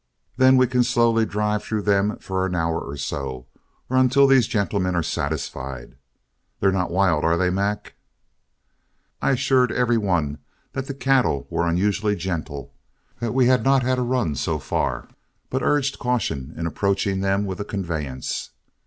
Then we can slowly drive through them for an hour or so, or until these gentlemen are satisfied. They're not wild, are they, Mac?" I assured every one that the cattle were unusually gentle; that we had not had a run so far, but urged caution in approaching them with a conveyance.